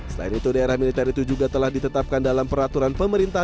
selain itu daerah militer itu juga telah ditetapkan dalam peraturan pemerintah